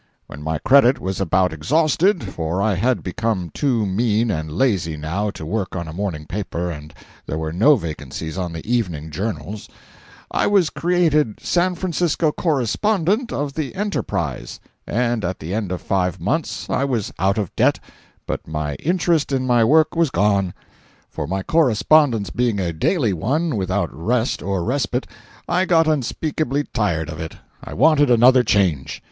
When my credit was about exhausted, (for I had become too mean and lazy, now, to work on a morning paper, and there were no vacancies on the evening journals,) I was created San Francisco correspondent of the Enterprise, and at the end of five months I was out of debt, but my interest in my work was gone; for my correspondence being a daily one, without rest or respite, I got unspeakably tired of it. I wanted another change.